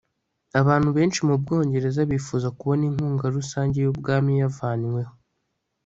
Abantu benshi mu Bwongereza bifuza kubona inkunga rusange yubwami yavanyweho